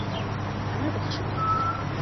আমার কথা শুনো!